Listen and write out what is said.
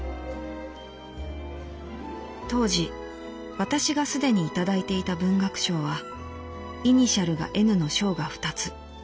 「当時私がすでにいただいていた文学賞はイニシャルがＮの賞が二つ。